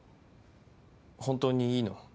本当にいいの？